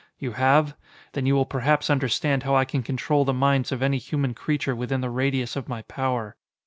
You have? Then you will perhaps understand how I can control the minds of any human creature within the radius of my power.